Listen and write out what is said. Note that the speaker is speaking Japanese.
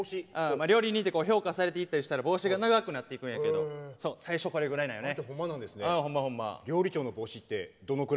料理人って評価されていったりしたら帽子長くなっていくんやけど最初、これぐらいなんよね。